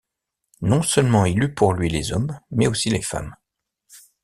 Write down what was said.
Non-seulement il eut pour lui les hommes, mais aussi les femmes.